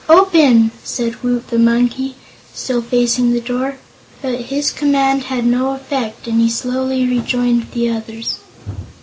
"Open!" said Woot the Monkey, still facing the door; but his command had no effect and he slowly rejoined the others.